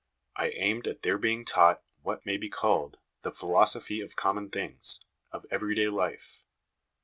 I aimed at their being taught what may be called the philosophy of common things of everyday life.